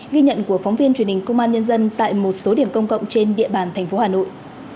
ghi nhận của phóng viên truyền hình công an nhân dân tại một số điểm công cộng trên địa bàn thành phố hà nội